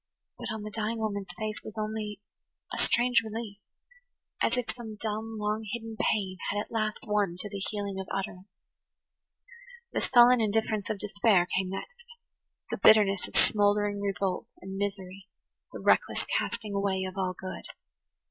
But on the dying woman's face was only a strange relief, as if some dumb, long hidden pain had at last won to the healing of utterance. The sullen indifference of despair came next, the bitterness of smouldering revolt and misery, the reckless casting away of all good.